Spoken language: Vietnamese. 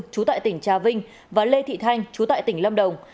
chú tại tỉnh trà vinh và lê thị thanh chú tại tỉnh lâm đồng